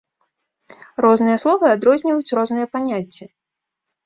Розныя словы адрозніваюць розныя паняцці.